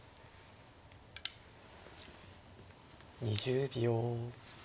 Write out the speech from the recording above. ２０秒。